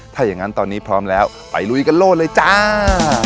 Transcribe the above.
ถ้าอย่างนั้นตอนนี้พร้อมแล้วไปลุยกันโลดเลยจ้า